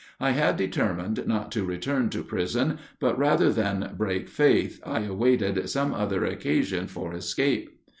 I had determined not to return to prison, but rather than break faith I awaited some other occasion for escape.